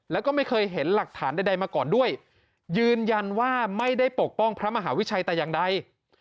แล้วก็ไม่เคยเห็นหลักฐานใดมาก่อนด้วยยืนยันว่าไม่ได้ปกป้องพระมหาวิชัยแต่อย่างใด